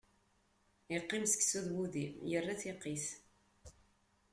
Iqqim seksu d wudi, irra tiqit.